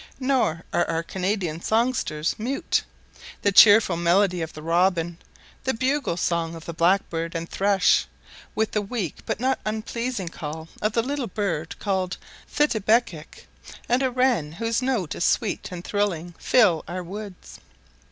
Nor are our Canadian songsters mute: the cheerful melody of the robin, the bugle song of the blackbird and thrush, with the weak but not unpleasing call of the little bird called Thitabecec, and a wren, whose note is sweet and thrilling, fill our woods.